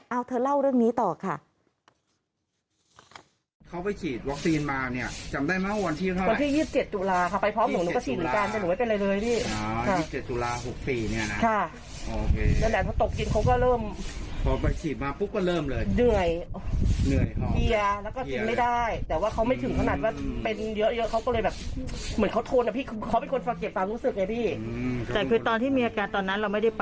เอาเธอเล่าเรื่องนี้ต่อค่ะ